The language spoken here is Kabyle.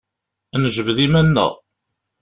Nejbed iman-nneɣ.